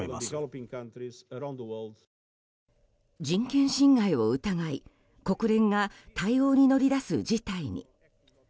人権侵害を疑い国連が対応に乗り出す事態に。